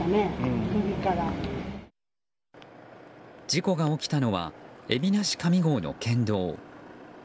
事故が起きたのは海老名市上郷の県道。